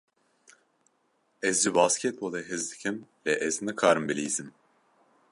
Ez ji basketbolê hez dikim, lê ez nikarim bilîzim.